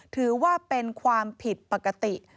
ถือว่าเป็นความผิดปกติ